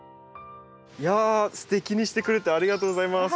いやすてきにしてくれてありがとうございます。